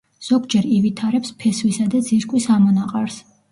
ზოგჯერ ივითარებს ფესვისა და ძირკვის ამონაყარს.